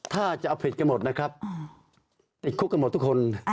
ถ้าจะเอาผิดกันหมดนะครับติดคุกกันหมดทุกคน